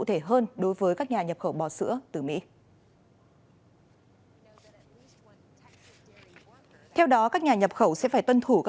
thì một mươi một quốc gia ở châu phi và quốc gia còn lại là ấn độ